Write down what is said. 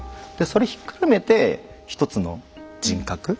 それひっくるめて一つの人格。